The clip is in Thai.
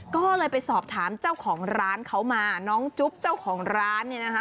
ก็เลยไปสอบถามเจ้าของร้านเขามาน้องจุ๊บเจ้าของร้านเนี่ยนะคะ